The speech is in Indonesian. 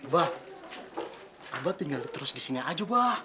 ba abah tinggal terus di sini aja ba